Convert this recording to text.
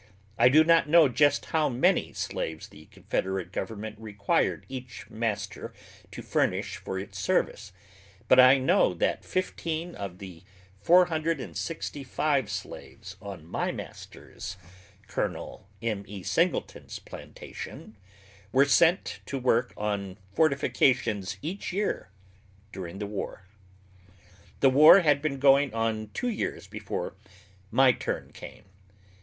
I do not know just how many slaves the Confederate Government required each master to furnish for its service, but I know that 15 of the 465 slaves on my master's, Col. M.E. Singleton's, plantation, were sent to work on fortifications each year during the war. The war had been going on two years before my turn came.